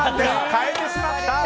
変えてしまった！